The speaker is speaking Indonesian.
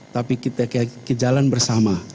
tapi kita jalan bersama